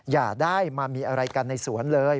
อย่าได้มามีอะไรกันในสวนเลย